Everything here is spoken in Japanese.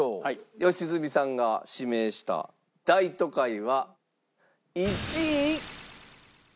良純さんが指名した『大都会』は１位。